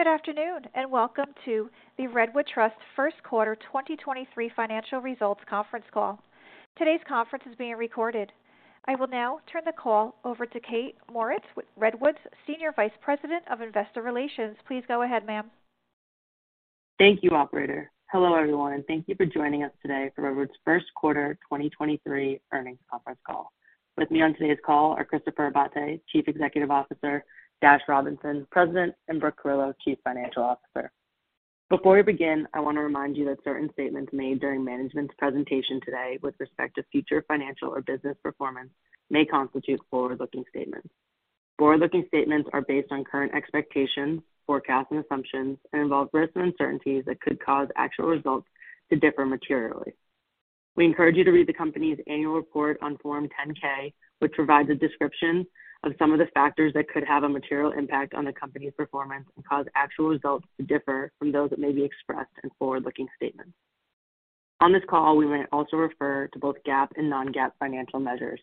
Good afternoon, welcome to the Redwood Trust first quarter 2023 financial results conference call. Today's conference is being recorded. I will now turn the call over to Kaitlyn Mauritz, Redwood's Senior Vice President of Investor Relations. Please go ahead, ma'am. Thank you, operator. Hello, everyone, thank you for joining us today for Redwood's first quarter 2023 earnings conference call. With me on today's call are Christopher Abate, Chief Executive Officer, Dash Robinson, President, and Brooke Carillo, Chief Financial Officer. Before we begin, I want to remind you that certain statements made during management's presentation today with respect to future financial or business performance may constitute forward-looking statements. Forward-looking statements are based on current expectations, forecasts, and assumptions, involve risks and uncertainties that could cause actual results to differ materially. We encourage you to read the company's annual report on Form 10-K, which provides a description of some of the factors that could have a material impact on the company's performance and cause actual results to differ from those that may be expressed in forward-looking statements. On this call, we may also refer to both GAAP and non-GAAP financial measures.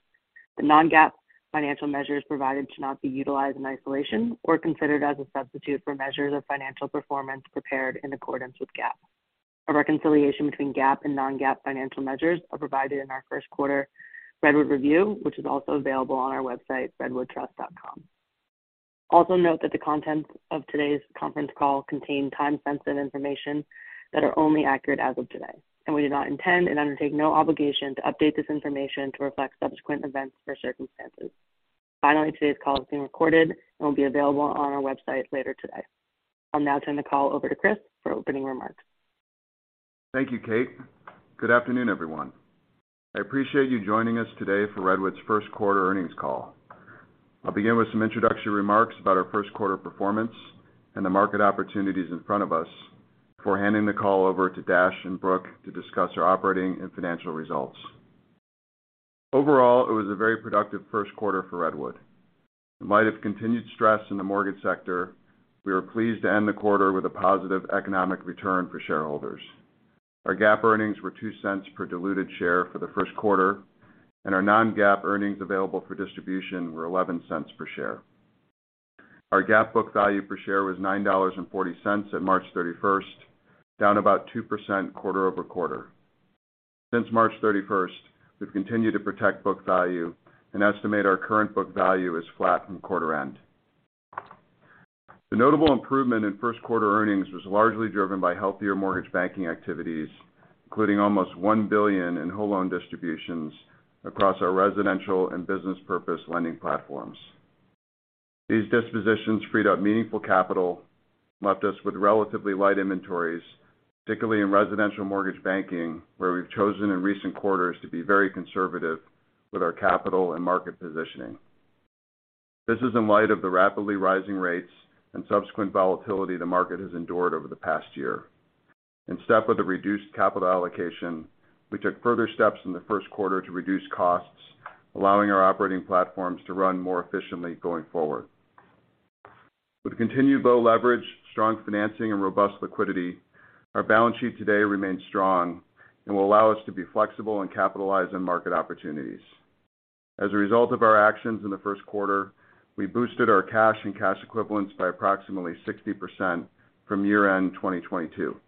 The non-GAAP financial measures provided should not be utilized in isolation or considered as a substitute for measures of financial performance prepared in accordance with GAAP. A reconciliation between GAAP and non-GAAP financial measures are provided in our first quarter Redwood Review, which is also available on our website, redwoodtrust.com. Also note that the contents of today's conference call contain time-sensitive information that are only accurate as of today, and we do not intend and undertake no obligation to update this information to reflect subsequent events or circumstances. Finally, today's call is being recorded and will be available on our website later today. I'll now turn the call over to Chris for opening remarks. Thank you, Kate. Good afternoon, everyone. I appreciate you joining us today for Redwood Trust's first quarter earnings call. I'll begin with some introductory remarks about our first quarter performance and the market opportunities in front of us before handing the call over to Dash and Brooke to discuss our operating and financial results. Overall, it was a very productive first quarter for Redwood Trust. In light of continued stress in the mortgage sector, we were pleased to end the quarter with a positive economic return for shareholders. Our GAAP earnings were $0.02 per diluted share for the first quarter, and our non-GAAP earnings available for distribution were $0.11 per share. Our GAAP book value per share was $9.40 at March 31st, down about 2% quarter-over-quarter. Since March 31st, we've continued to protect book value and estimate our current book value is flat from quarter end. The notable improvement in first quarter earnings was largely driven by healthier mortgage banking activities, including almost $1 billion in whole loan distributions across our residential and business purpose lending platforms. These dispositions freed up meaningful capital and left us with relatively light inventories, particularly in residential mortgage banking, where we've chosen in recent quarters to be very conservative with our capital and market positioning. This is in light of the rapidly rising rates and subsequent volatility the market has endured over the past year. In step with the reduced capital allocation, we took further steps in the first quarter to reduce costs, allowing our operating platforms to run more efficiently going forward. With continued low leverage, strong financing, and robust liquidity, our balance sheet today remains strong and will allow us to be flexible and capitalize on market opportunities. As a result of our actions in the first quarter, we boosted our cash and cash equivalents by approximately 60% from year-end 2022.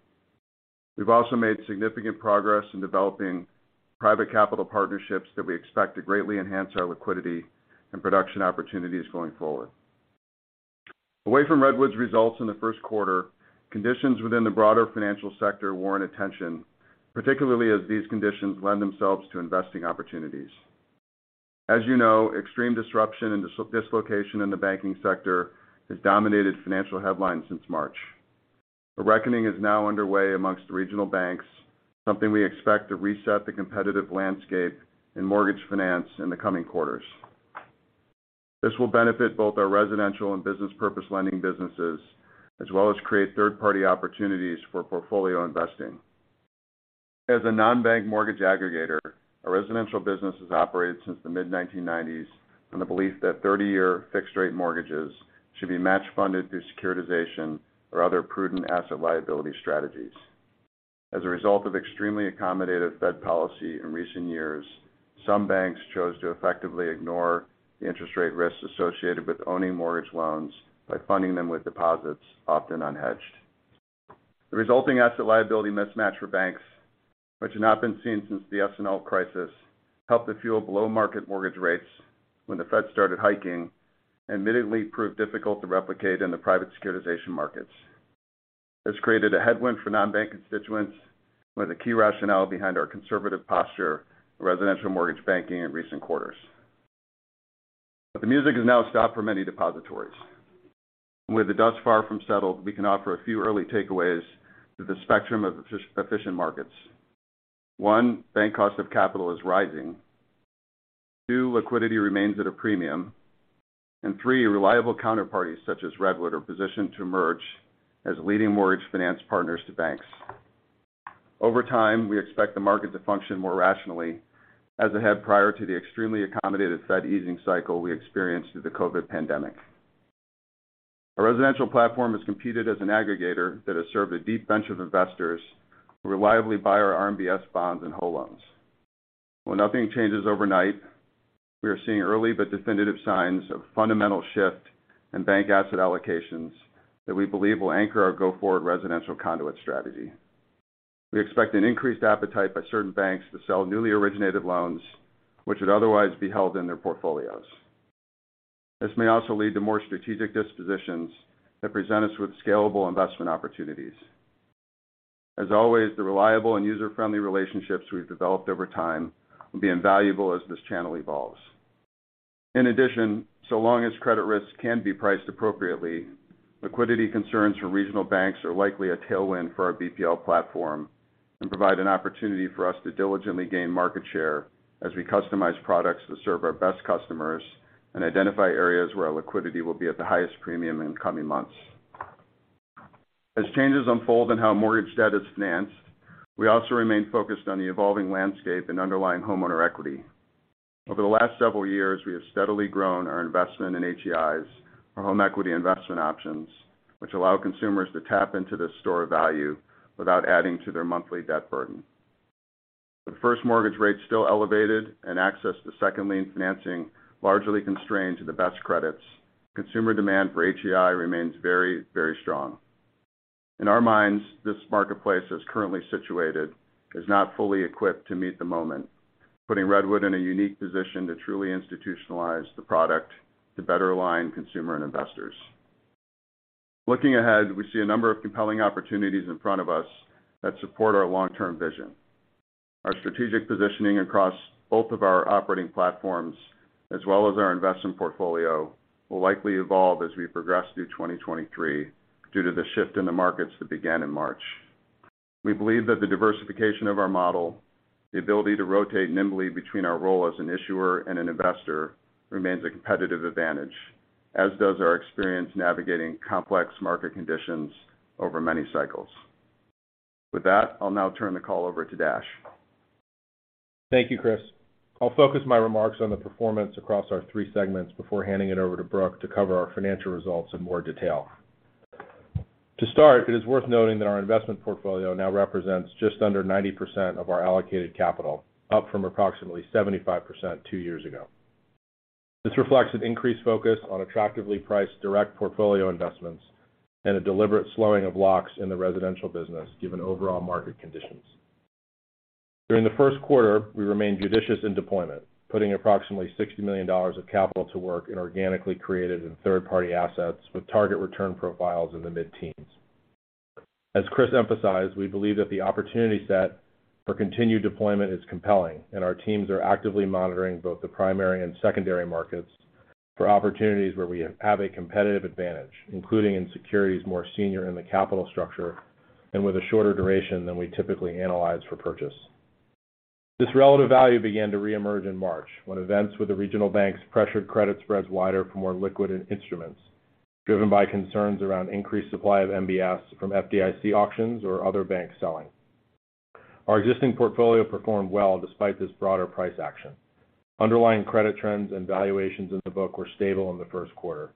We've also made significant progress in developing private capital partnerships that we expect to greatly enhance our liquidity and production opportunities going forward. Away from Redwood's results in the first quarter, conditions within the broader financial sector warrant attention, particularly as these conditions lend themselves to investing opportunities. As you know, extreme disruption and dislocation in the banking sector has dominated financial headlines since March. The reckoning is now underway amongst regional banks, something we expect to reset the competitive landscape in mortgage finance in the coming quarters. This will benefit both our residential and business purpose lending businesses, as well as create third-party opportunities for portfolio investing. As a non-bank mortgage aggregator, our residential business has operated since the mid-1990s on the belief that 30-year fixed-rate mortgages should be match funded through securitization or other prudent asset liability strategies. As a result of extremely accommodative Fed policy in recent years, some banks chose to effectively ignore the interest rate risks associated with owning mortgage loans by funding them with deposits, often unhedged. The resulting asset liability mismatch for banks, which have not been seen since the S&L crisis, helped to fuel below-market mortgage rates when the Fed started hiking, and admittedly proved difficult to replicate in the private securitization markets. This created a headwind for non-bank constituents, with a key rationale behind our conservative posture in residential mortgage banking in recent quarters. The music has now stopped for many depositories. With the dust far from settled, we can offer a few early takeaways through the spectrum of efficient markets. One, bank cost of capital is rising. Two, liquidity remains at a premium. Three, reliable counterparties such as Redwood are positioned to emerge as leading mortgage finance partners to banks. Over time, we expect the market to function more rationally as it had prior to the extremely accommodated Fed easing cycle we experienced through the COVID pandemic. Our residential platform has competed as an aggregator that has served a deep bench of investors who reliably buy our RMBS bonds and whole loans. Nothing changes overnight. We are seeing early but definitive signs of fundamental shift in bank asset allocations that we believe will anchor our go forward residential conduit strategy. We expect an increased appetite by certain banks to sell newly originated loans which would otherwise be held in their portfolios. This may also lead to more strategic dispositions that present us with scalable investment opportunities. As always, the reliable and user-friendly relationships we've developed over time will be invaluable as this channel evolves. In addition, so long as credit risks can be priced appropriately, liquidity concerns for regional banks are likely a tailwind for our BPL platform and provide an opportunity for us to diligently gain market share as we customize products to serve our best customers and identify areas where our liquidity will be at the highest premium in coming months. As changes unfold in how mortgage debt is financed, we also remain focused on the evolving landscape and underlying homeowner equity. Over the last several years, we have steadily grown our investment in HEIs, or home equity investment options, which allow consumers to tap into this store of value without adding to their monthly debt burden. With first mortgage rates still elevated and access to second lien financing largely constrained to the best credits, consumer demand for HEI remains very, very strong. In our minds, this marketplace as currently situated is not fully equipped to meet the moment, putting Redwood in a unique position to truly institutionalize the product to better align consumer and investors. Looking ahead, we see a number of compelling opportunities in front of us that support our long-term vision. Our strategic positioning across both of our operating platforms as well as our investment portfolio will likely evolve as we progress through 2023 due to the shift in the markets that began in March. We believe that the diversification of our model, the ability to rotate nimbly between our role as an issuer and an investor remains a competitive advantage, as does our experience navigating complex market conditions over many cycles. With that, I'll now turn the call over to Dash. Thank you, Chris. I'll focus my remarks on the performance across our three segments before handing it over to Brooke to cover our financial results in more detail. To start, it is worth noting that our investment portfolio now represents just under 90% of our allocated capital, up from approximately 75% two years ago. This reflects an increased focus on attractively priced direct portfolio investments and a deliberate slowing of locks in the residential business, given overall market conditions. During the first quarter, we remained judicious in deployment, putting approximately $60 million of capital to work in organically created and third-party assets with target return profiles in the mid-teens. As Chris emphasized, we believe that the opportunity set for continued deployment is compelling. Our teams are actively monitoring both the primary and secondary markets for opportunities where we have a competitive advantage, including in securities more senior in the capital structure and with a shorter duration than we typically analyze for purchase. This relative value began to reemerge in March, when events with the regional banks pressured credit spreads wider for more liquid instruments, driven by concerns around increased supply of MBS from FDIC auctions or other banks selling. Our existing portfolio performed well despite this broader price action. Underlying credit trends and valuations in the book were stable in the first quarter.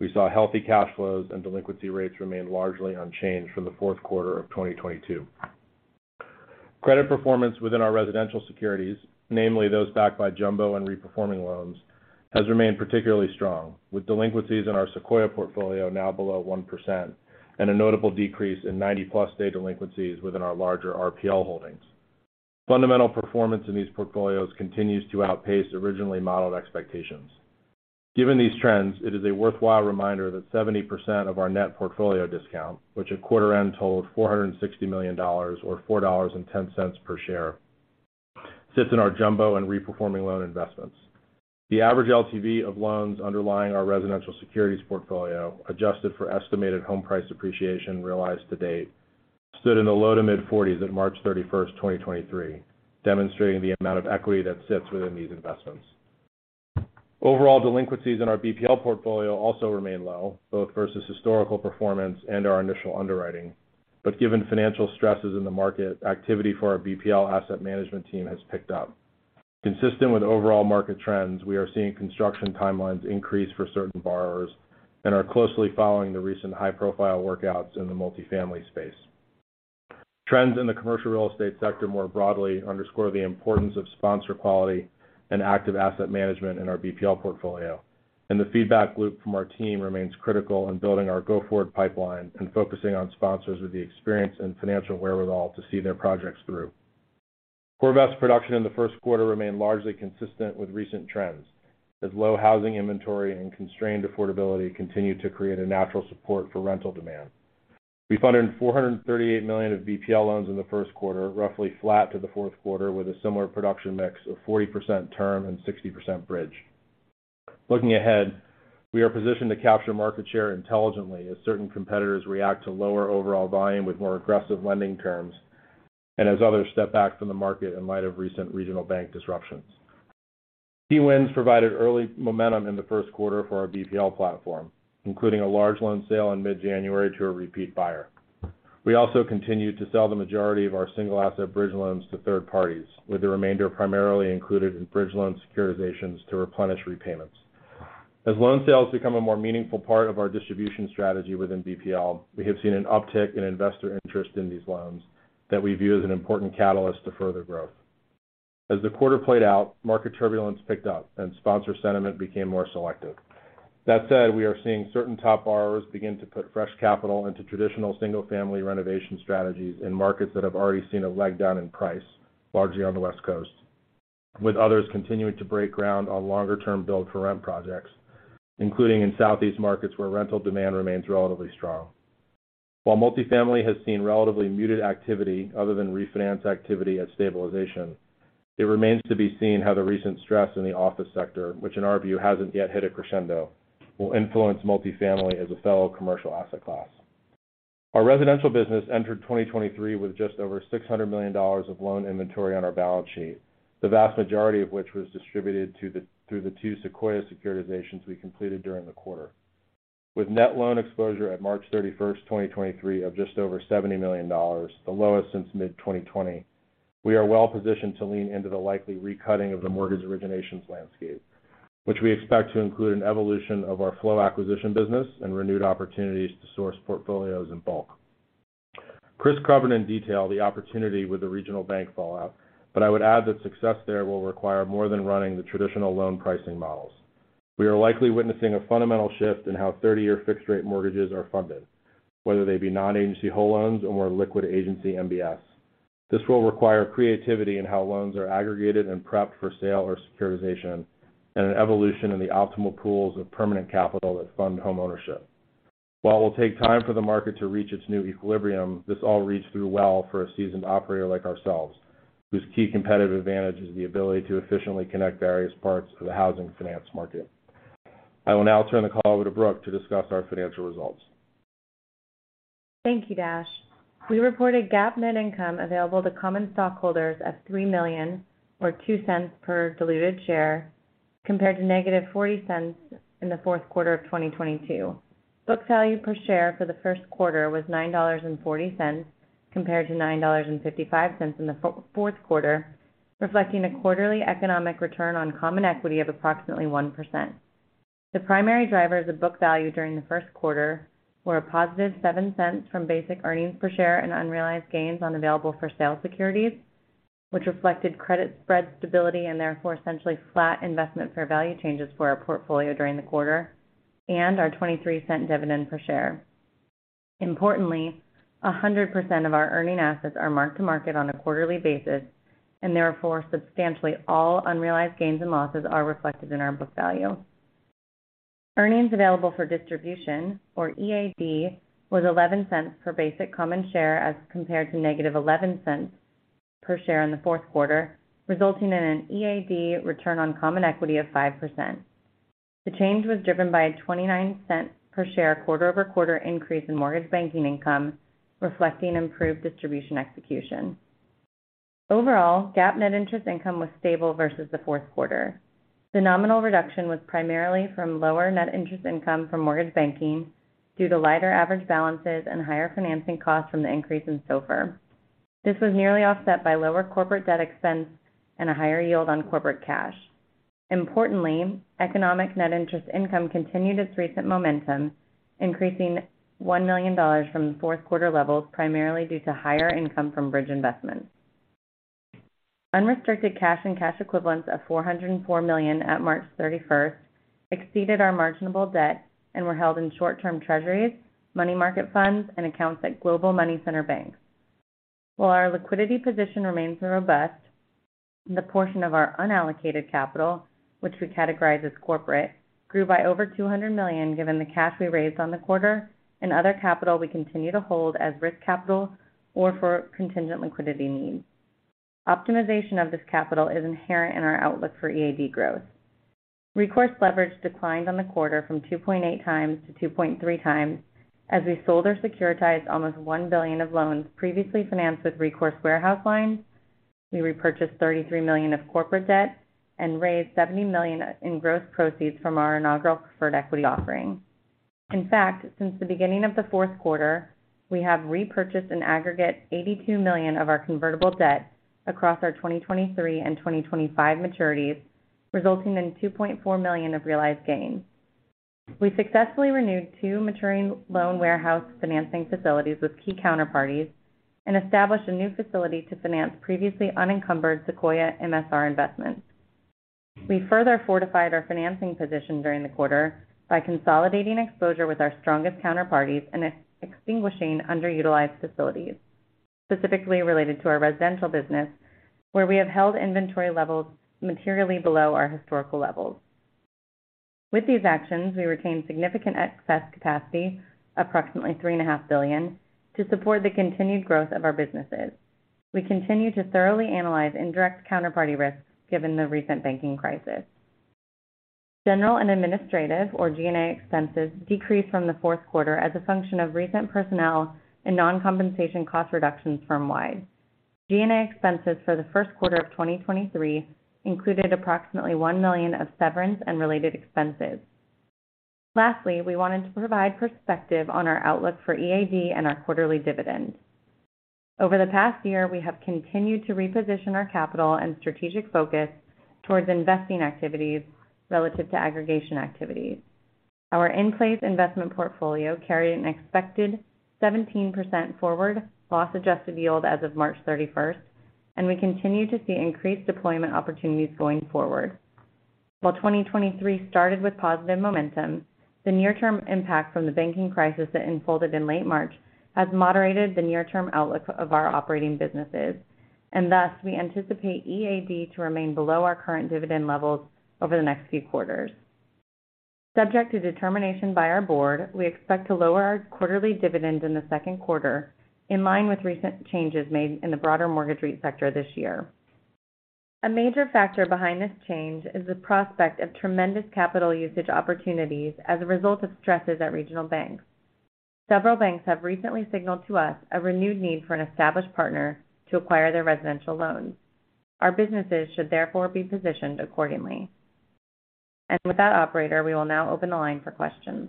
We saw healthy cash flows. Delinquency rates remained largely unchanged from the fourth quarter of 2022. Credit performance within our residential securities, namely those backed by jumbo and reperforming loans, has remained particularly strong, with delinquencies in our Sequoia portfolio now below 1% and a notable decrease in 90-plus day delinquencies within our larger RPL holdings. Fundamental performance in these portfolios continues to outpace originally modeled expectations. Given these trends, it is a worthwhile reminder that 70% of our net portfolio discount, which at quarter end totaled $460 million or $4.10 per share, sits in our jumbo and reperforming loan investments. The average LTV of loans underlying our residential securities portfolio, adjusted for estimated home price appreciation realized to date, stood in the low to mid-40s at March 31, 2023, demonstrating the amount of equity that sits within these investments. Overall delinquencies in our BPL portfolio also remain low, both versus historical performance and our initial underwriting. Given financial stresses in the market, activity for our BPL asset management team has picked up. Consistent with overall market trends, we are seeing construction timelines increase for certain borrowers and are closely following the recent high-profile workouts in the multifamily space. Trends in the commercial real estate sector more broadly underscore the importance of sponsor quality and active asset management in our BPL portfolio, the feedback loop from our team remains critical in building our go-forward pipeline and focusing on sponsors with the experience and financial wherewithal to see their projects through. CoreVest production in the first quarter remained largely consistent with recent trends, as low housing inventory and constrained affordability continue to create a natural support for rental demand. We funded $438 million of BPL loans in the first quarter, roughly flat to the fourth quarter, with a similar production mix of 40% term and 60% bridge. Looking ahead, we are positioned to capture market share intelligently as certain competitors react to lower overall volume with more aggressive lending terms and as others step back from the market in light of recent regional bank disruptions. Key wins provided early momentum in the first quarter for our BPL platform, including a large loan sale in mid-January to a repeat buyer. We also continued to sell the majority of our single asset bridge loans to third parties, with the remainder primarily included in bridge loan securitizations to replenish repayments. As loan sales become a more meaningful part of our distribution strategy within BPL, we have seen an uptick in investor interest in these loans that we view as an important catalyst to further growth. As the quarter played out, market turbulence picked up and sponsor sentiment became more selective. That said, we are seeing certain top borrowers begin to put fresh capital into traditional single-family renovation strategies in markets that have already seen a leg down in price, largely on the West Coast, with others continuing to break ground on longer-term build for rent projects, including in Southeast markets where rental demand remains relatively strong. While multifamily has seen relatively muted activity other than refinance activity at stabilization, it remains to be seen how the recent stress in the office sector, which in our view hasn't yet hit a crescendo, will influence multifamily as a fellow commercial asset class. Our residential business entered 2023 with just over $600 million of loan inventory on our balance sheet, the vast majority of which was distributed through the two Sequoia securitizations we completed during the quarter. With net loan exposure at March 31, 2023 of just over $70 million, the lowest since mid-2020, we are well positioned to lean into the likely recutting of the mortgage originations landscape, which we expect to include an evolution of our flow acquisition business and renewed opportunities to source portfolios in bulk. Chris covered in detail the opportunity with the regional bank fallout, but I would add that success there will require more than running the traditional loan pricing models. We are likely witnessing a fundamental shift in how 30-year fixed-rate mortgages are funded, whether they be non-agency whole loans or more liquid agency MBS. This will require creativity in how loans are aggregated and prepped for sale or securitization, and an evolution in the optimal pools of permanent capital that fund homeownership. While it'll take time for the market to reach its new equilibrium, this all reads through well for a seasoned operator like ourselves, whose key competitive advantage is the ability to efficiently connect various parts of the housing finance market. I will now turn the call over to Brooke to discuss our financial results. Thank you, Dash. We reported GAAP net income available to common stockholders of $3 million or $0.02 per diluted share, compared to negative $0.40 in the fourth quarter of 2022. Book value per share for the first quarter was $9.40, compared to $9.55 in the fourth quarter, reflecting a quarterly economic return on common equity of approximately 1%. The primary drivers of book value during the first quarter were a positive $0.07 from basic earnings per share and unrealized gains on available for sale securities, which reflected credit spread stability and therefore essentially flat investment fair value changes for our portfolio during the quarter, and our $0.23 dividend per share. Importantly, 100% of our earning assets are marked to market on a quarterly basis, and therefore, substantially all unrealized gains and losses are reflected in our book value. Earnings available for distribution, or EAD, was $0.11 per basic common share as compared to -$0.11 per share in the fourth quarter, resulting in an EAD return on common equity of 5%. The change was driven by a $0.29 per share quarter-over-quarter increase in mortgage banking income, reflecting improved distribution execution. Overall, GAAP net interest income was stable versus the fourth quarter. The nominal reduction was primarily from lower net interest income from mortgage banking due to lighter average balances and higher financing costs from the increase in SOFR. This was nearly offset by lower corporate debt expense and a higher yield on corporate cash. Importantly, economic net interest income continued its recent momentum, increasing $1 million from the fourth quarter levels, primarily due to higher income from bridge investments. Unrestricted cash and cash equivalents of $404 million at March 31st exceeded our marginable debt and were held in short-term Treasuries, money market funds, and accounts at global money center banks. While our liquidity position remains robust, the portion of our unallocated capital, which we categorize as corporate, grew by over $200 million, given the cash we raised on the quarter and other capital we continue to hold as risk capital or for contingent liquidity needs. Optimization of this capital is inherent in our outlook for EAD growth. Recourse leverage declined on the quarter from 2.8x to 2.3x, as we sold or securitized almost $1 billion of loans previously financed with recourse warehouse lines. We repurchased $33 million of corporate debt and raised $70 million in gross proceeds from our inaugural preferred equity offering. In fact, since the beginning of the fourth quarter, we have repurchased an aggregate $82 million of our convertible debt across our 2023 and 2025 maturities, resulting in $2.4 million of realized gains. We successfully renewed two maturing loan warehouse financing facilities with key counterparties and established a new facility to finance previously unencumbered Sequoia MSR investments. We further fortified our financing position during the quarter by consolidating exposure with our strongest counterparties and extinguishing underutilized facilities, specifically related to our residential business, where we have held inventory levels materially below our historical levels. With these actions, we retain significant excess capacity, approximately $3.5 billion, to support the continued growth of our businesses. We continue to thoroughly analyze indirect counterparty risks given the recent banking crisis. General and administrative or G&A expenses decreased from the fourth quarter as a function of recent personnel and non-compensation cost reductions firmwide. G&A expenses for the first quarter of 2023 included approximately $1 million of severance and related expenses. Lastly, we wanted to provide perspective on our outlook for EAD and our quarterly dividend. Over the past year, we have continued to reposition our capital and strategic focus towards investing activities relative to aggregation activities. Our in-place investment portfolio carried an expected 17% forward loss-adjusted yield as of March 31st, and we continue to see increased deployment opportunities going forward. While 2023 started with positive momentum, the near-term impact from the banking crisis that unfolded in late March has moderated the near-term outlook of our operating businesses. Thus, we anticipate EAD to remain below our current dividend levels over the next few quarters. Subject to determination by our board, we expect to lower our quarterly dividend in the second quarter, in line with recent changes made in the broader mortgage REIT sector this year. A major factor behind this change is the prospect of tremendous capital usage opportunities as a result of stresses at regional banks. Several banks have recently signaled to us a renewed need for an established partner to acquire their residential loans. Our businesses should therefore be positioned accordingly. With that operator, we will now open the line for questions.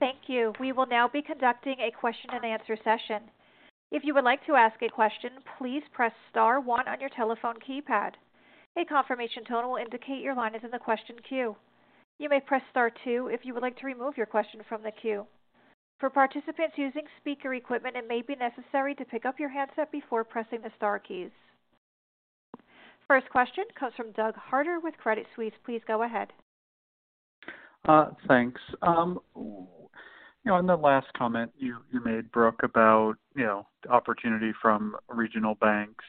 Thank you. We will now be conducting a question-and-answer session. If you would like to ask a question, please press star one on your telephone keypad. A confirmation tone will indicate your line is in the question queue. You may press star two if you would like to remove your question from the queue. For participants using speaker equipment, it may be necessary to pick up your handset before pressing the star keys. First question comes from Doug Harter with Credit Suisse. Please go ahead. Thanks. You know, in the last comment you made, Brooke, about, you know, the opportunity from regional banks,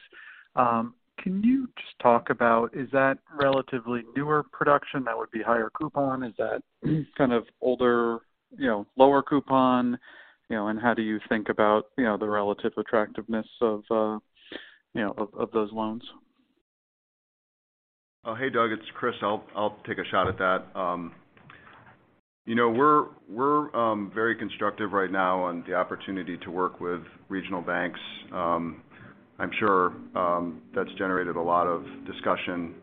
can you just talk about is that relatively newer production that would be higher coupon? Is that kind of older, you know, lower coupon? How do you think about, you know, the relative attractiveness of those loans? Oh, hey, Doug, it's Chris. I'll take a shot at that. You know, we're very constructive right now on the opportunity to work with regional banks. I'm sure that's generated a lot of discussion,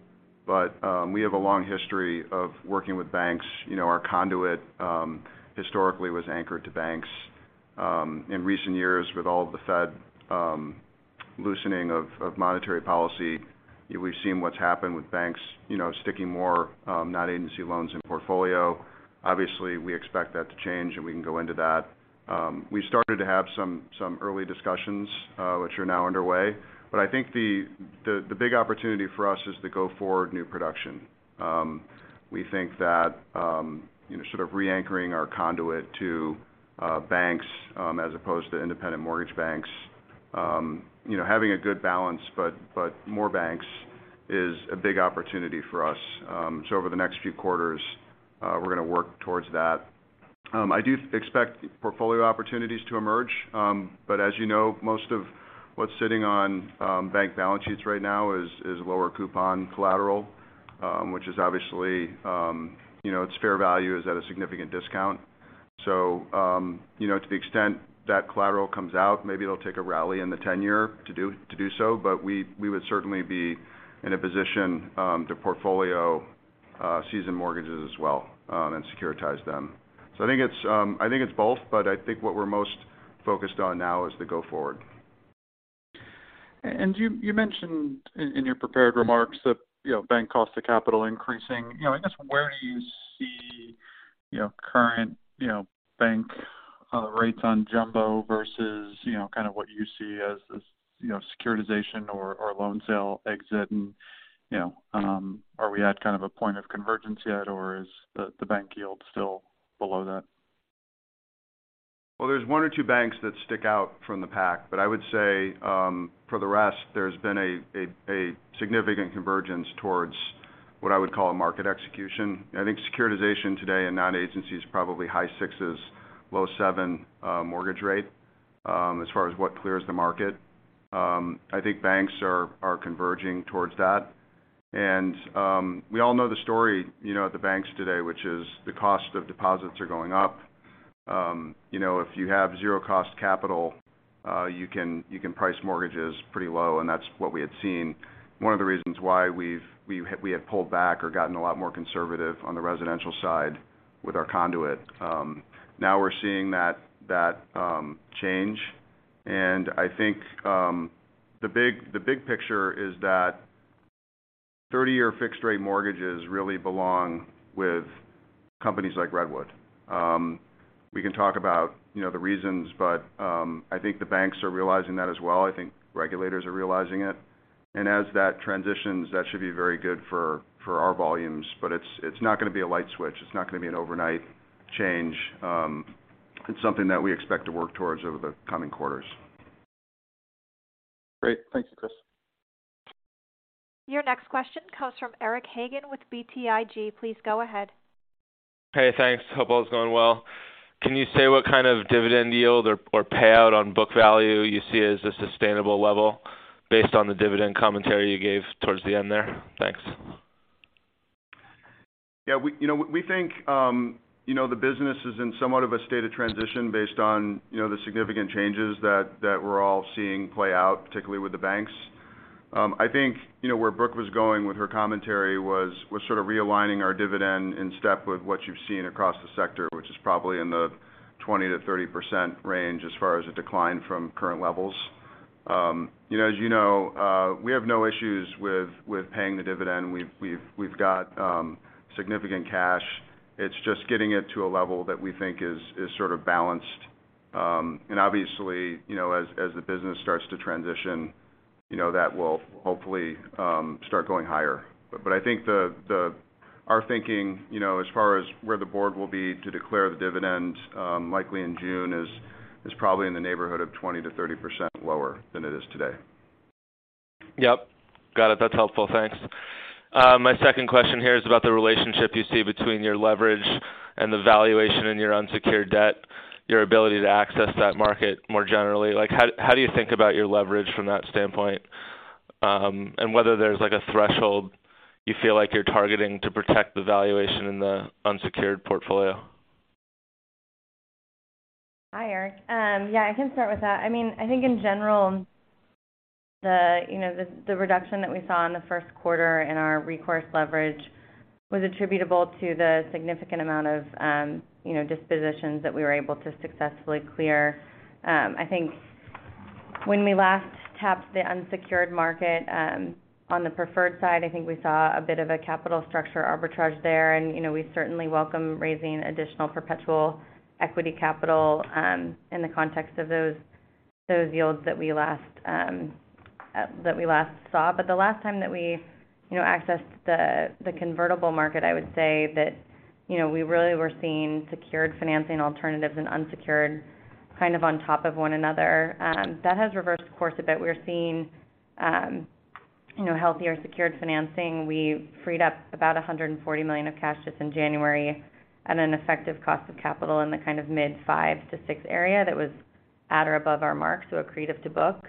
but we have a long history of working with banks. You know, our conduit historically was anchored to banks. In recent years, with all the Fed loosening of monetary policy, we've seen what's happened with banks, you know, sticking more not agency loans in portfolio. Obviously, we expect that to change, and we can go into that. We started to have some early discussions, which are now underway. I think the big opportunity for us is to go forward new production. We think that, you know, sort of reanchoring our conduit to banks, as opposed to independent mortgage banks, you know, having a good balance, but more banks is a big opportunity for us. Over the next few quarters, we're gonna work towards that. I do expect portfolio opportunities to emerge. As you know, most of what's sitting on bank balance sheets right now is lower coupon collateral, which is obviously, you know, its fair value is at a significant discount. You know, to the extent that collateral comes out, maybe it'll take a rally in the tenure to do so. We would certainly be in a position to portfolio, season mortgages as well, and securitize them. I think it's, I think it's both, but I think what we're most focused on now is to go forward. You mentioned in your prepared remarks that, you know, bank cost to capital increasing. You know, I guess where do you see, you know, current, you know, bank rates on jumbo versus, you know, kind of what you see as, you know, securitization or loan sale exit and, you know, are we at kind of a point of convergence yet, or is the bank yield still below that? Well, there's one or two banks that stick out from the pack, but I would say, for the rest, there's been a significant convergence towards what I would call a market execution. I think securitization today in non-agencies is probably high 6s, low 7% mortgage rate, as far as what clears the market. I think banks are converging towards that. We all know the story, you know, at the banks today, which is the cost of deposits are going up. You know, if you have 0 cost capital, you can price mortgages pretty low, and that's what we had seen. One of the reasons why we have pulled back or gotten a lot more conservative on the residential side with our conduit. Now we're seeing that change. I think, the big picture is that 30-year fixed rate mortgages really belong with companies like Redwood. We can talk about, you know, the reasons, but, I think the banks are realizing that as well. I think regulators are realizing it. As that transitions, that should be very good for our volumes. It's not gonna be a light switch. It's not gonna be an overnight change. It's something that we expect to work towards over the coming quarters. Great. Thank you, Chris. Your next question comes from Eric Hagen with BTIG. Please go ahead. Hey, thanks. Hope all is going well. Can you say what kind of dividend yield or payout on book value you see as a sustainable level based on the dividend commentary you gave towards the end there? Thanks. Yeah, you know, we think, you know, the business is in somewhat of a state of transition based on, you know, the significant changes that we're all seeing play out, particularly with the banks. I think, you know, where Brooke was going with her commentary was sort of realigning our dividend in step with what you've seen across the sector, which is probably in the 20%-30% range as far as a decline from current levels. You know, as you know, we have no issues with paying the dividend. We've got significant cash. It's just getting it to a level that we think is sort of balanced. Obviously, you know, as the business starts to transition, you know, that will hopefully start going higher. I think our thinking, you know, as far as where the board will be to declare the dividend, likely in June, is probably in the neighborhood of 20%-30% lower than it is today. Yep. Got it. That's helpful. Thanks. My second question here is about the relationship you see between your leverage and the valuation in your unsecured debt, your ability to access that market more generally. Like, how do you think about your leverage from that standpoint, and whether there's, like, a threshold you feel like you're targeting to protect the valuation in the unsecured portfolio? Hi, Eric. Yeah, I can start with that. I mean, I think in general, the, you know, the reduction that we saw in the first quarter in our recourse leverage was attributable to the significant amount of, you know, dispositions that we were able to successfully clear. I think when we last tapped the unsecured market, on the preferred side, I think we saw a bit of a capital structure arbitrage there. You know, we certainly welcome raising additional perpetual equity capital in the context of those yields that we last saw. The last time that we, you know, accessed the convertible market, I would say that, you know, we really were seeing secured financing alternatives and unsecured kind of on top of one another. That has reversed course a bit. We're seeing, you know, healthier secured financing. We freed up about $140 million of cash just in January at an effective cost of capital in the kind of mid 5% to 6% area that was at or above our marks, so accretive to book.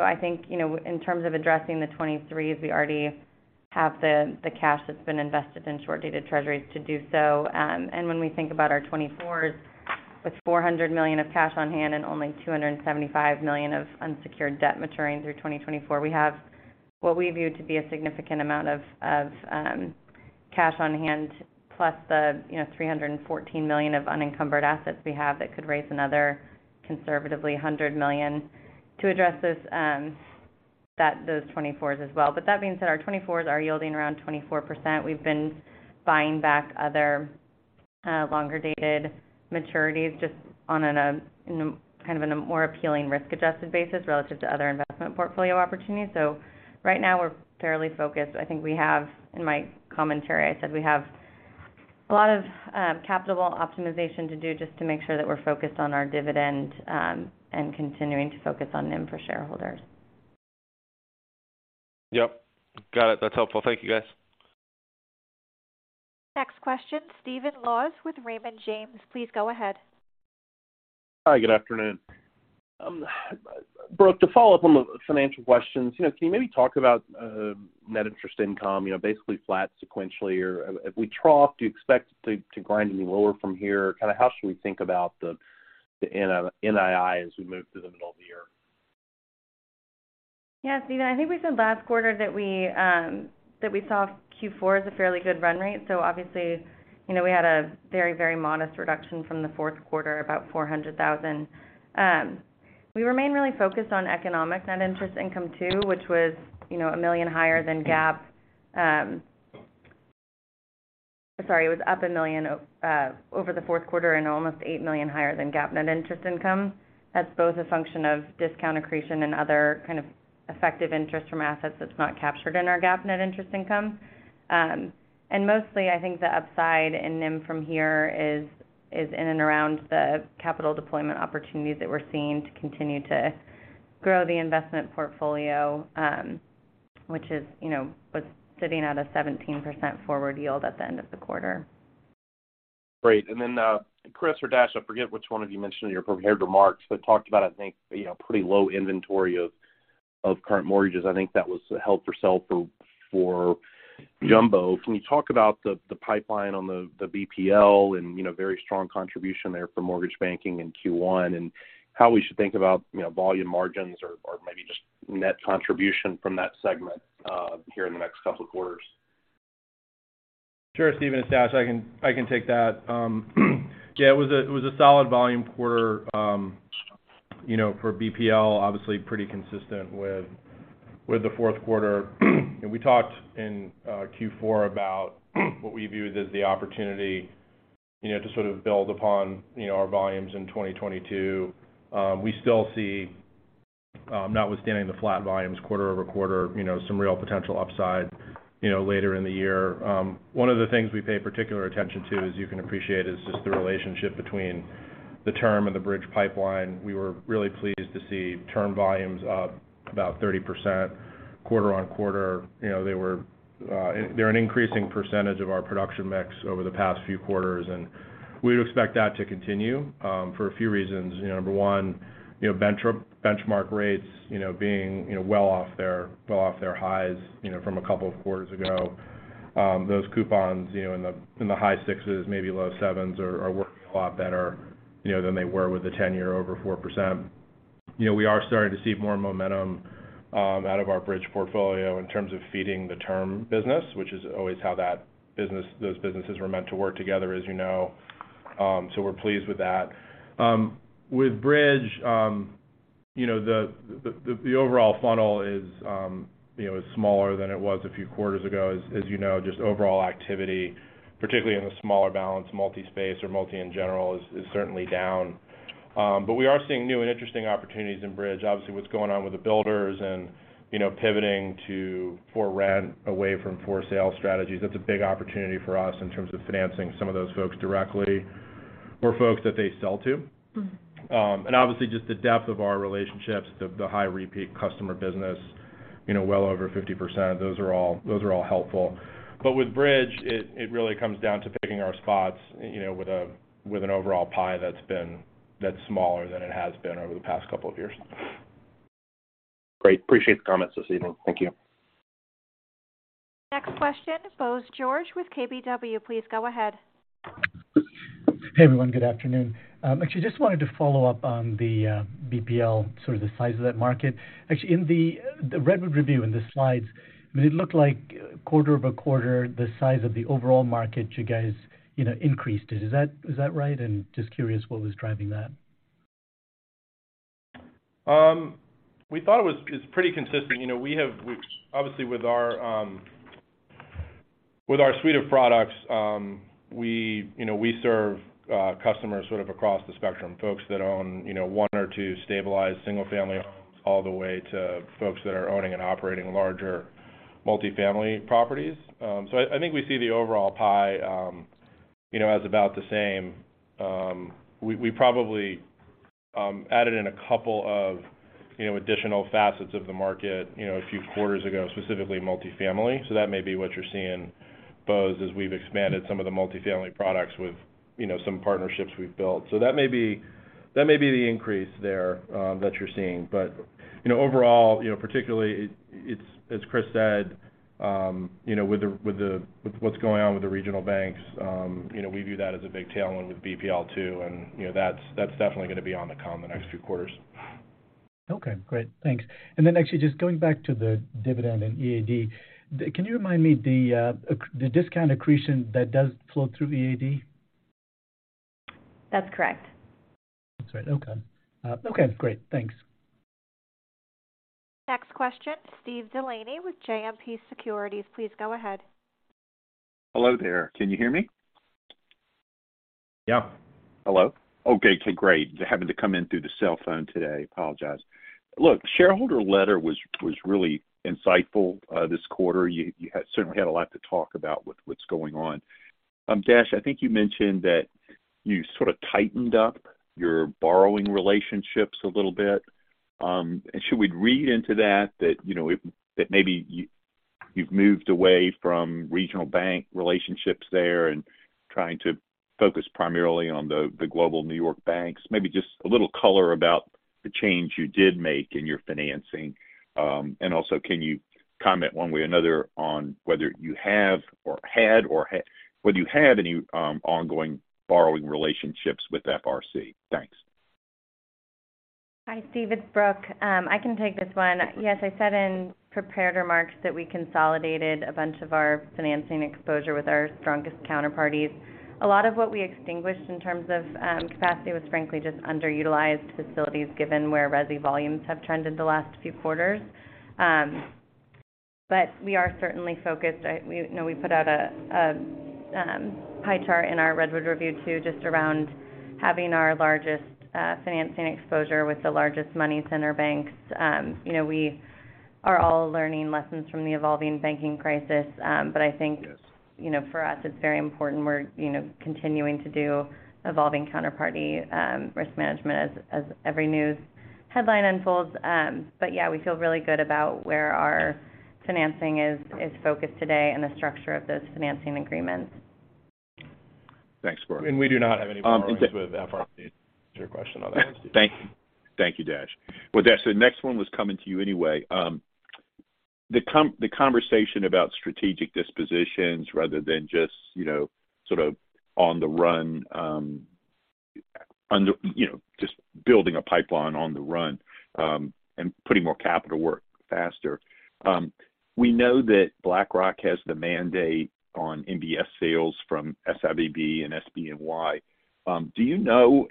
I think, you know, in terms of addressing the 2023s, we already have the cash that's been invested in short-dated Treasuries to do so. When we think about our 2024s, with $400 million of cash on hand and only $275 million of unsecured debt maturing through 2024, we have what we view to be a significant amount of cash on hand, plus the, you know, $314 million of unencumbered assets we have that could raise another conservatively $100 million to address this, those 2024s as well. That being said, our 2024s are yielding around 24%. We've been buying back other, longer-dated maturities just on a more appealing risk-adjusted basis relative to other investment portfolio opportunities. Right now we're fairly focused. I think we have, in my commentary, I said we have a lot of capital optimization to do just to make sure that we're focused on our dividend, and continuing to focus on NIM for shareholders. Yep. Got it. That's helpful. Thank you, guys. Next question, Stephen Laws with Raymond James. Please go ahead. Hi. Good afternoon. Brooke, to follow up on the financial questions, you know, can you maybe talk about net interest income, you know, basically flat sequentially? Or if we trough, do you expect it to grind any lower from here? Kinda how should we think about the NII as we move through the middle of the year? Stephen, I think we said last quarter that we, that we saw Q4 as a fairly good run rate. Obviously, you know, we had a very, very modest reduction from the fourth quarter, about $400,000. We remain really focused on economic net interest income too, which was, you know, $1 million higher than GAAP. Sorry. It was up $1 million over the fourth quarter and almost $8 million higher than GAAP net interest income. That's both a function of discount accretion and other kind of effective interest from assets that's not captured in our GAAP net interest income. Mostly, I think the upside in NIM from here is in and around the capital deployment opportunities that we're seeing to continue to grow the investment portfolio, which is, you know, was sitting at a 17% forward yield at the end of the quarter. Great. Chris or Dash, I forget which one of you mentioned in your prepared remarks, but talked about, I think, you know, pretty low inventory of current mortgages. I think that was held for sale for jumbo. Can you talk about the pipeline on the BPL and, you know, very strong contribution there for mortgage banking in Q1, and how we should think about, you know, volume margins or maybe just net contribution from that segment here in the next couple of quarters? Sure, Stephen. It's Dash. I can take that. Yeah, it was a solid volume quarter, you know, for BPL, obviously pretty consistent with the fourth quarter. We talked in Q4 about what we viewed as the opportunity, you know, to sort of build upon, you know, our volumes in 2022. We still see, notwithstanding the flat volumes quarter-over-quarter, you know, some real potential upside, you know, later in the year. One of the things we pay particular attention to, as you can appreciate, is just the relationship between the term and the bridge pipeline. We were really pleased to see term volumes up about 30% quarter-on-quarter. You know, they were, they're an increasing percentage of our production mix over the past few quarters, and we would expect that to continue, for a few reasons. You know, number one, you know, benchmark rates, you know, being, you know, well off their, well off their highs, you know, from a couple of quarters ago. Those coupons, you know, in the, in the high sixes, maybe low sevens are working a lot better, you know, than they were with the 10-year over 4%. You know, we are starting to see more momentum out of our bridge portfolio in terms of feeding the term business, which is always how those businesses were meant to work together, as you know. We're pleased with that. With bridge, you know, the overall funnel is, you know, is smaller than it was a few quarters ago. As you know, just overall activity, particularly in the smaller balance multi-space or multi in general is certainly down. We are seeing new and interesting opportunities in Bridge. Obviously, what's going on with the builders and, you know, pivoting to for rent away from for sale strategies, that's a big opportunity for us in terms of financing some of those folks directly or folks that they sell to. Mm-hmm. Obviously, just the depth of our relationships, the high repeat customer business, you know, well over 50%, those are all helpful. With Bridge, it really comes down to picking our spots, you know, with an overall pie that's smaller than it has been over the past couple of years. Great. Appreciate the comments this evening. Thank you. Next question, Bose George with KBW. Please go ahead. Hey, everyone. Good afternoon. Actually just wanted to follow up on the BPL, sort of the size of that market. Actually, in the Redwood Review in the slides, I mean, it looked like quarter-over-quarter, the size of the overall market, you guys, you know, increased. Is that right? Just curious what was driving that. We thought it was pretty consistent. You know, we obviously, with our suite of products, we, you know, we serve customers sort of across the spectrum. Folks that own, you know, one or two stabilized single-family homes, all the way to folks that are owning and operating larger multifamily properties. I think we see the overall pie, you know, as about the same. We probably added in a couple of, you know, additional facets of the market, you know, a few quarters ago, specifically multifamily. That may be what you're seeing, Bose, as we've expanded some of the multifamily products with, you know, some partnerships we've built. That may be the increase there that you're seeing. You know, overall, you know, particularly it's, as Chris said, you know, with what's going on with the regional banks, you know, we view that as a big tailwind with BPL too. You know, that's definitely going to be on the comm the next few quarters. Okay, great. Thanks. Actually just going back to the dividend and EAD. Can you remind me the discount accretion that does flow through EAD? That's correct. That's right. Okay. Okay, great. Thanks. Next question, Steve DeLaney with JMP Securities. Please go ahead. Hello there. Can you hear me? Yeah. Hello? Okay, great. Having to come in through the cell phone today. Apologize. Look, shareholder letter was really insightful this quarter. You certainly had a lot to talk about with what's going on. Josh, I think you mentioned that you sort of tightened up your borrowing relationships a little bit. Should we read into that, you know, that maybe you've moved away from regional bank relationships there and trying to focus primarily on the global New York banks? Maybe just a little color about the change you did make in your financing. Also, can you comment one way or another on whether you have or had any ongoing borrowing relationships with FRC? Thanks. Hi, Steve, it's Brooke. I can take this one. Yes, I said in prepared remarks that we consolidated a bunch of our financing exposure with our strongest counterparties. A lot of what we extinguished in terms of capacity was frankly just underutilized facilities given where resi volumes have trended the last few quarters. We are certainly focused. We, you know, we put out a pie chart in our Redwood Review too, just around having our largest financing exposure with the largest money center banks. You know, we are all learning lessons from the evolving banking crisis. I think. Yes. You know, for us, it's very important we're, you know, continuing to do evolving counterparty, risk management as every news headline unfolds. Yeah, we feel really good about where our financing is focused today and the structure of those financing agreements. Thanks, Brooke. We do not have any borrowings with FRC, to answer your question on that. Thank you. Thank you, Dash. Well, Dash, the next one was coming to you anyway. The conversation about strategic dispositions rather than just, you know, sort of on the run, under, you know, just building a pipeline on the run, and putting more capital to work faster. We know that BlackRock has the mandate on MBS sales from SIVB and SBNY. Do you know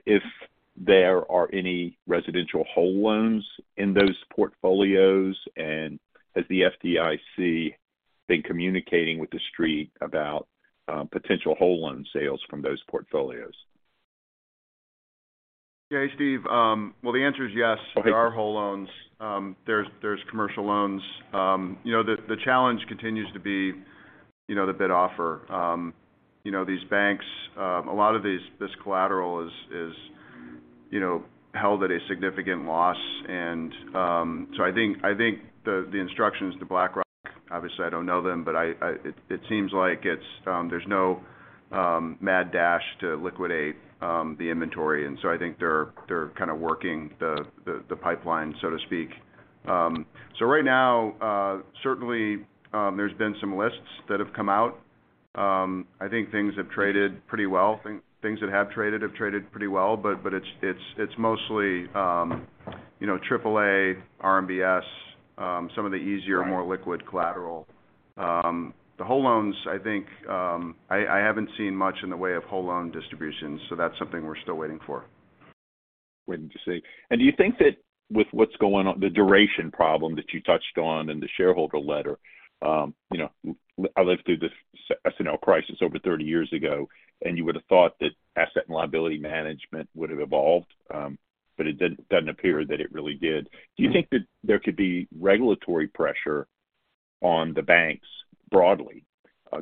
if there are any residential whole loans in those portfolios? And has the FDIC been communicating with the Street about potential whole loan sales from those portfolios? Yeah. Steve, well, the answer is yes- Okay. There are whole loans. There's commercial loans. You know, the challenge continues to be, you know, the bid offer. You know, these banks, a lot of this collateral is, you know, held at a significant loss. So I think the instructions to BlackRock, obviously I don't know them, but I it seems like it's there's no mad dash to liquidate the inventory. So I think they're kind of working the pipeline, so to speak. Right now, certainly, there's been some lists that have come out. I think things have traded pretty well. Things that have traded pretty well. It's mostly, you know, triple-A RMBS, some of the easier, more liquid collateral. The whole loans, I think, I haven't seen much in the way of whole loan distribution, so that's something we're still waiting for. Waiting to see. Do you think that with what's going on, the duration problem that you touched on in the shareholder letter, you know, I lived through this S&L crisis over 30 years ago, and you would've thought that asset and liability management would've evolved, but it doesn't appear that it really did. Do you think that there could be regulatory pressure on the banks broadly,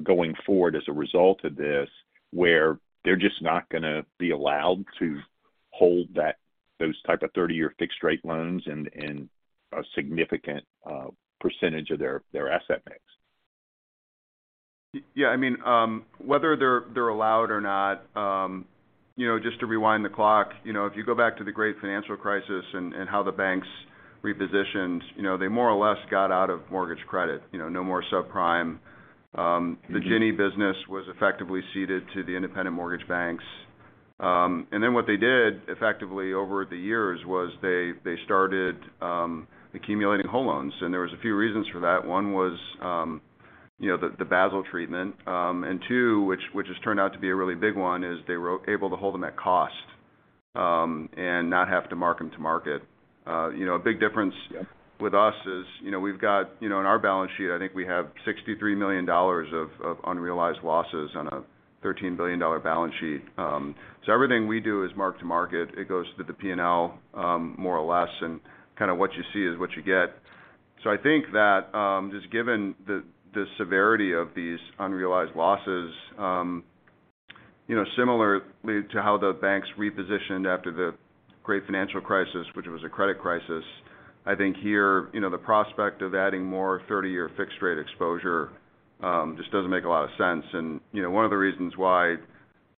going forward as a result of this, where they're just not gonna be allowed to hold those type of 30-year fixed rate loans and a significant percentage of their asset mix? Yeah. I mean, whether they're allowed or not, you know, just to rewind the clock, you know, if you go back to the Great Financial Crisis and how the banks repositioned, you know, they more or less got out of mortgage credit, you know, no more subprime. Mm-hmm. The Ginnie business was effectively ceded to the independent mortgage banks. What they did effectively over the years was they started accumulating whole loans. There was a few reasons for that. One was, you know, the Basel treatment. Two, which has turned out to be a really big one, is they were able to hold them at cost and not have to mark them to market. You know, a big difference with us is, you know, we've got, you know, in our balance sheet, I think we have $63 million of unrealized losses on a $13 billion balance sheet. Everything we do is mark to market. It goes to the P&L, more or less, kinda what you see is what you get. I think that, just given the severity of these unrealized losses, you know, similarly to how the banks repositioned after the great financial crisis, which was a credit crisis, I think here, you know, the prospect of adding more 30-year fixed rate exposure, just doesn't make a lot of sense. You know, one of the reasons why,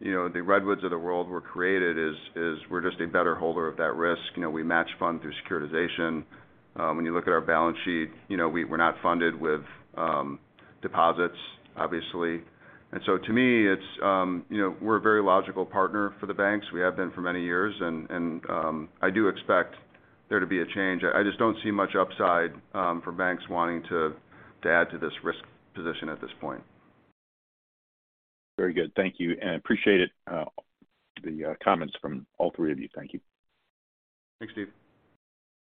you know, the Redwoods of the world were created is we're just a better holder of that risk. You know, we match fund through securitization. When you look at our balance sheet, you know, we're not funded with, deposits, obviously. To me, it's, you know, we're a very logical partner for the banks. We have been for many years, and, I do expect there to be a change. I just don't see much upside, for banks wanting to add to this risk position at this point. Very good. Thank you, and I appreciate it, the comments from all three of you. Thank you. Thanks, Steve.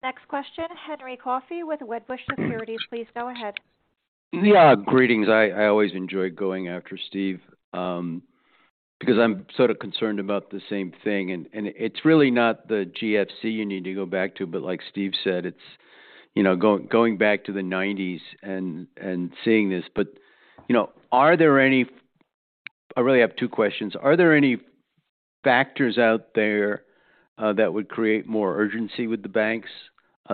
Next question, Henry Coffey with Wedbush Securities. Please go ahead. Yeah. Greetings. I always enjoy going after Steve, because I'm sort of concerned about the same thing. It's really not the GFC you need to go back to, but like Steve said, it's, you know, going back to the 1990s and seeing this. You know, are there any... I really have two questions. Are there any factors out there that would create more urgency with the banks?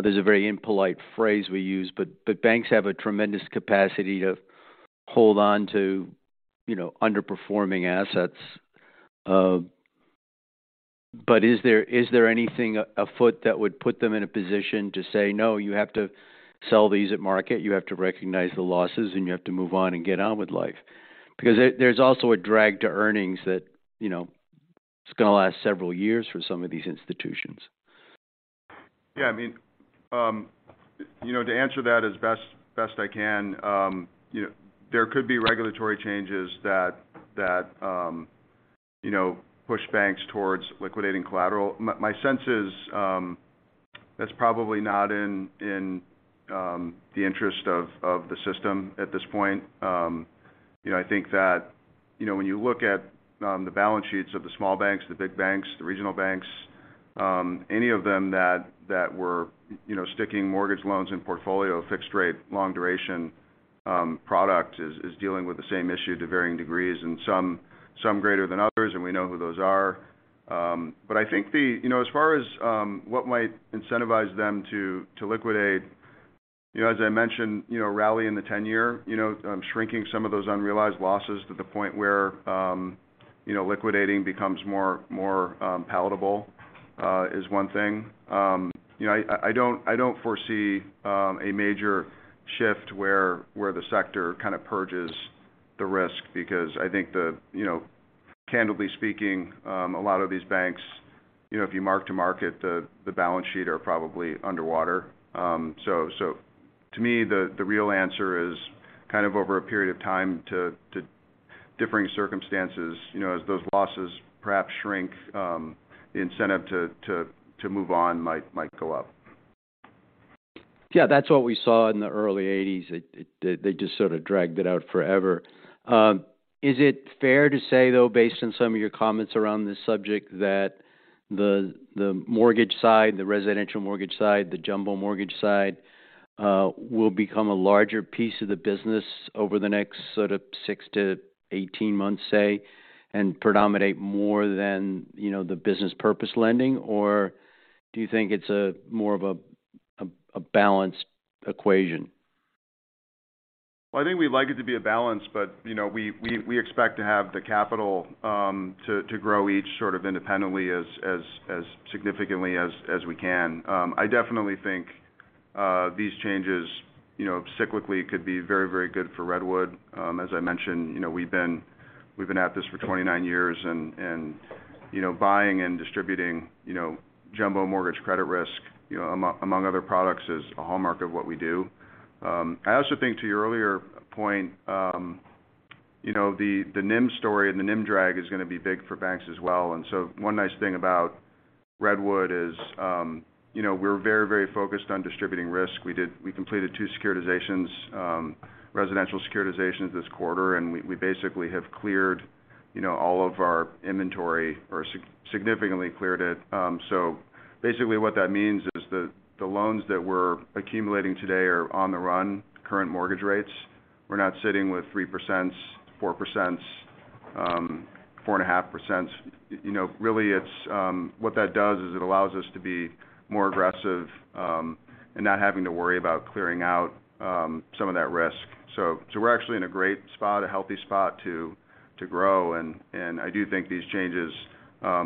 There's a very impolite phrase we use, but banks have a tremendous capacity to hold on to, you know, underperforming assets. But is there anything afoot that would put them in a position to say, "No, you have to sell these at market, you have to recognize the losses, and you have to move on and get on with life"? Because there's also a drag to earnings that, you know, is gonna last several years for some of these institutions. Yeah, I mean, you know, to answer that as best I can, you know, there could be regulatory changes that, you know, push banks towards liquidating collateral. My sense is, that's probably not in the interest of the system at this point. You know, I think that, you know, when you look at, the balance sheets of the small banks, the big banks, the regional banks, any of them that were, you know, sticking mortgage loans in portfolio, fixed rate, long duration, product is dealing with the same issue to varying degrees and some greater than others, and we know who those are. I think the... You know, as far as, what might incentivize them to liquidate, you know, as I mentioned, you know, rally in the 10-year, you know, shrinking some of those unrealized losses to the point where, you know, liquidating becomes more palatable, is one thing. You know, I don't foresee a major shift where the sector kind of purges the risk because I think the. You know, candidly speaking, a lot of these banks, you know, if you mark to market, the balance sheet are probably underwater. To me, the real answer is kind of over a period of time to differing circumstances, you know, as those losses perhaps shrink, the incentive to move on might go up. That's what we saw in the early eighties. They just sort of dragged it out forever. Is it fair to say, though, based on some of your comments around this subject, that the mortgage side, the residential mortgage side, the jumbo mortgage side, will become a larger piece of the business over the next sort of 6-18 months, say, and predominate more than, you know, the business-purpose lending? Or do you think it's a more of a balanced equation? Well, I think we'd like it to be a balance, but, you know, we expect to have the capital to grow each sort of independently as significantly as we can. I definitely think these changes, you know, cyclically could be very good for Redwood. As I mentioned, you know, we've been at this for 29 years and, you know, buying and distributing, you know, jumbo mortgage credit risk, you know, among other products is a hallmark of what we do. I also think to your earlier point, you know, the NIM story and the NIM drag is gonna be big for banks as well. One nice thing about Redwood is, you know, we're very focused on distributing risk. We completed 2 securitizations, residential securitizations this quarter, and we basically have cleared, you know, all of our inventory or significantly cleared it. Basically what that means is the loans that we're accumulating today are on the run current mortgage rates. We're not sitting with 3%, 4%, 4.5%. You know, really what that does is it allows us to be more aggressive in not having to worry about clearing out some of that risk. We're actually in a great spot, a healthy spot to grow. I do think these changes,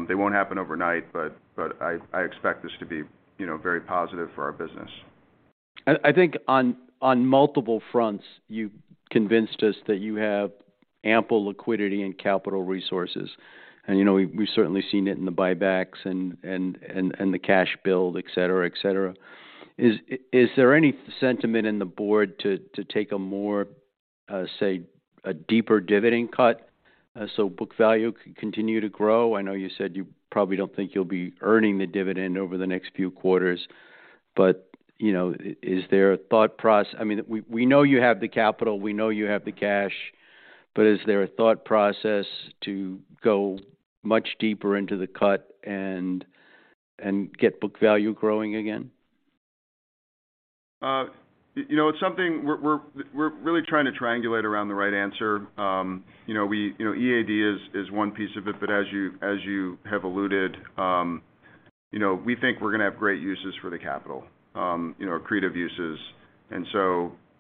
they won't happen overnight, but I expect this to be, you know, very positive for our business. I think on multiple fronts, you convinced us that you have ample liquidity and capital resources. You know, we've certainly seen it in the buybacks and the cash build, et cetera, et cetera. Is there any sentiment in the board to, say, a deeper dividend cut so book value can continue to grow? I know you said you probably don't think you'll be earning the dividend over the next few quarters. You know, I mean, we know you have the capital, we know you have the cash, but is there a thought process to go much deeper into the cut and get book value growing again? you know, it's something we're really trying to triangulate around the right answer. you know, we, you know, EAD is one piece of it, but as you have alluded, you know, we think we're gonna have great uses for the capital, you know, creative uses.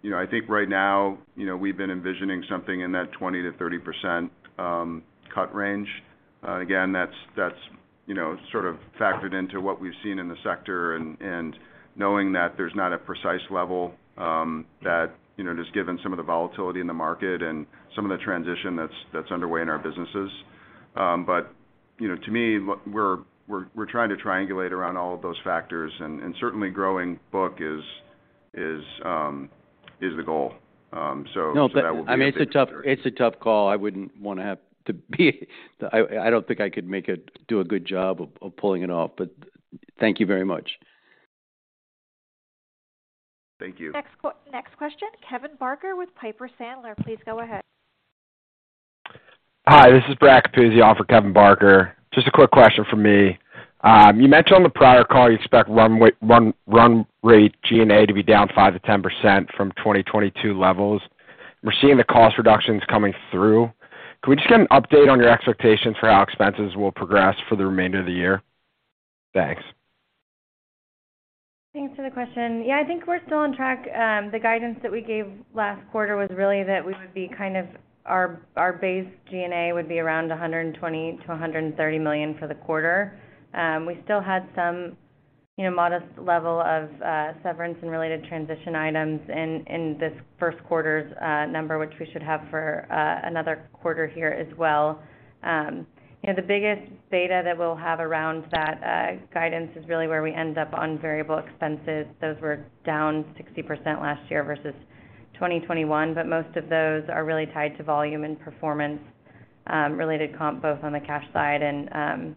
you know, I think right now, you know, we've been envisioning something in that 20%-30% cut range. Again, that's, you know, sort of factored into what we've seen in the sector and knowing that there's not a precise level, that, you know, just given some of the volatility in the market and some of the transition that's underway in our businesses. You know, to me, what we're trying to triangulate around all of those factors, and certainly growing book is the goal. No, I mean, it's a tough, it's a tough call. I wouldn't wanna have to be I. I don't think I could do a good job of pulling it off, but thank you very much. Thank you. Next question, Kevin Barker with Piper Sandler. Please go ahead. Hi, this is Brad Capuzzi on for Kevin Barker. Just a quick question from me. You mentioned on the prior call you expect run rate G&A to be down 5%-10% from 2022 levels. We're seeing the cost reductions coming through. Can we just get an update on your expectations for how expenses will progress for the remainder of the year? Thanks. Thanks for the question. Yeah, I think we're still on track. The guidance that we gave last quarter was really that we would be our base G&A would be around $120 million-$130 million for the quarter. We still had some, you know, modest level of severance and related transition items in this first quarter's number, which we should have for another quarter here as well. You know, the biggest data that we'll have around that guidance is really where we end up on variable expenses. Those were down 60% last year versus 2021, but most of those are really tied to volume and performance related comp, both on the cash side and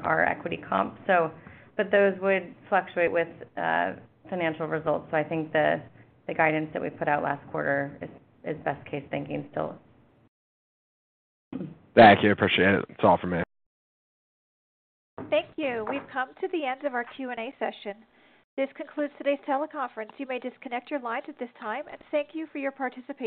our equity comp. Those would fluctuate with financial results. I think the guidance that we put out last quarter is best case thinking still. Thank you. Appreciate it. That's all for me. Thank you. We've come to the end of our Q&A session. This concludes today's teleconference. You may disconnect your lines at this time, and thank you for your participation.